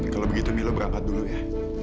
kalau begitu milo berangkat dulu ya